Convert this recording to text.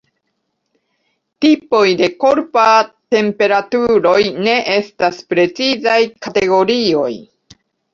Tipoj de korpa temperaturoj ne estas precizaj kategorioj.